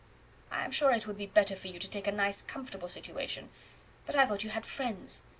"I am sure it would be better for you to take a nice comfortable situation; but I thought you had friends.